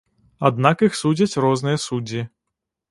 Аднак іх судзяць розныя суддзі.